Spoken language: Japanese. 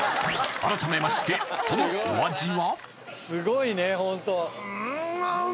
改めましてそのお味は？